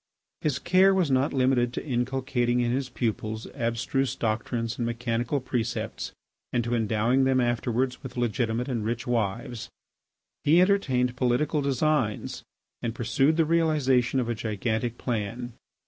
His care was not limited to inculcating in his pupils abstruse doctrines and mechanical precepts and to endowing them afterwards with legitimate and rich wives. He entertained political designs and pursued the realisation of a gigantic plan.